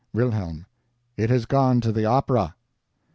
"Wilhelm. It has gone to the opera."